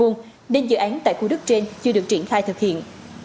nên dự án tại khu đất trên chưa được triển khai thực hiện